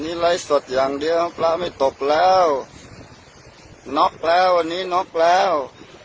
อันนี้ไลฟ์สดอย่างเดียวพระไม่ตกแล้วน็อกแล้ววันนี้น็อกแล้ว